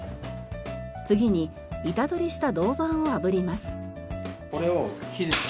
次に板取りした銅板をあぶります。